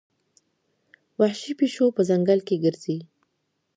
وحشي پیشو په ځنګل کې ګرځي.